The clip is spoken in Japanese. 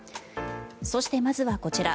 そして、まずはこちら。